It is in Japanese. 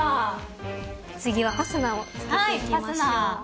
次はファスナーを付けていきましょう。